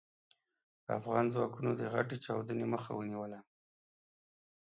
افغان ځواکونو د غټې چاودنې مخه ونيوله.